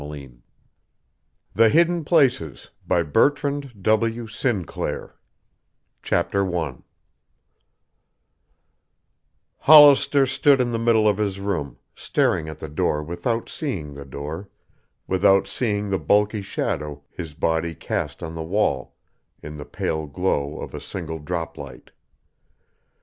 PRINTED IN THE UNITED STATES OF AMERICA THE HIDDEN PLACES CHAPTER I Hollister stood in the middle of his room, staring at the door without seeing the door, without seeing the bulky shadow his body cast on the wall in the pale glow of a single droplight.